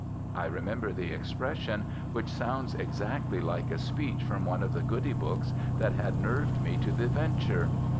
I remember the expression, which sounds exactly like a speech from one of the goody books that had nerved me to the venture.